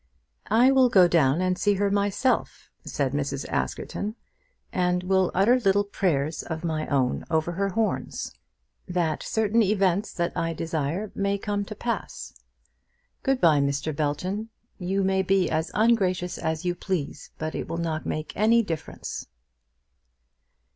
"I will go down and see to her myself," said Mrs. Askerton, "and will utter little prayers of my own over her horns, that certain events that I desire may come to pass. Good bye, Mr. Belton. You may be as ungracious as you please, but it will not make any difference."